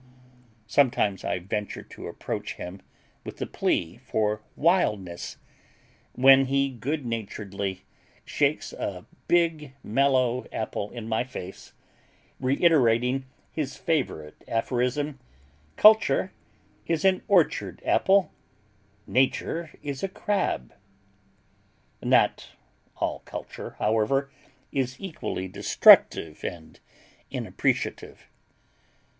Sometimes I venture to approach him with a plea for wildness, when he good naturedly shakes a big mellow apple in my face, reiterating his favorite aphorism, "Culture is an orchard apple; Nature is a crab." Not all culture, however, is equally destructive and inappreciative.